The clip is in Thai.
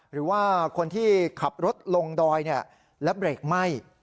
หรือว่าคนที่ขับรถลงดอยและเบรกไหม้